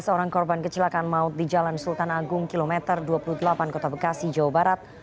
sembilan belas orang korban kecelakaan maut di jalan sultan agung kilometer dua puluh delapan kota bekasi jawa barat